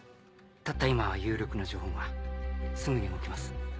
たった今有力な情報がすぐに動きます。